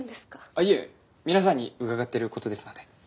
あっいえ皆さんに伺ってる事ですので。